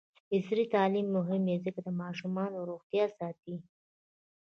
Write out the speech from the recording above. عصري تعلیم مهم دی ځکه چې د ماشومانو روغتیا ساتي.